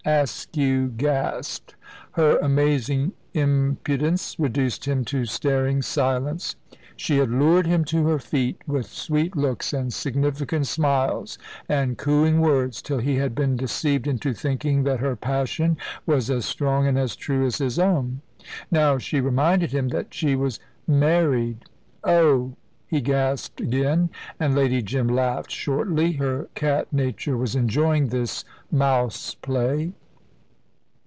Askew gasped. Her amazing impudence reduced him to staring silence. She had lured him to her feet with sweet looks and significant smiles and cooing words, till he had been deceived into thinking that her passion was as strong and as true as his own. Now she reminded him that she was married. "Oh!" he gasped again, and Lady Jim laughed shortly. Her cat nature was enjoying this mouse play.